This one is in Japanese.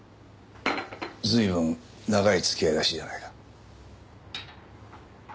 随分長い付き合いらしいじゃないか。